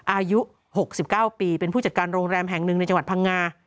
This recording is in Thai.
อายุ๖๙ปีเป็นผู้จัดการโรงแรมแห่งหนึ่งในจังหวัดพังงา